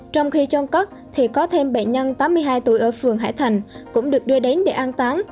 trong khi trôn cất thì có thêm bệnh nhân tám mươi hai tuổi ở phường hải thành cũng được đưa đến để an tán